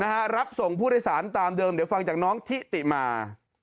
รับส่งผู้โดยสารตามเดิมเดี๋ยวฟังจากน้องทิติมา